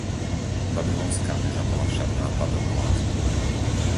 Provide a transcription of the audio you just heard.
Babylonská veža bola však nápadom bláznov.